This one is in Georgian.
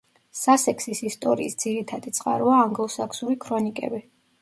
სასექსის ისტორიის ძირითადი წყაროა ანგლოსაქსური ქრონიკები.